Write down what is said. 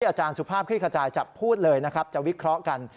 อาจารย์สุภาพคลิกขจายจะพูดเลยนะครับจะวิเคราะห์กัน